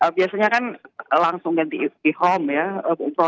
biasanya kan langsung yang di home ya